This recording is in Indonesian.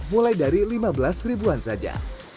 mulai dari lima belas ribuan saja